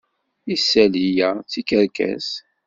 Isali-ya d tikerkas.